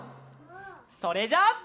それじゃあ。